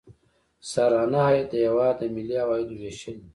سرانه عاید د هیواد د ملي عوایدو ویشل دي.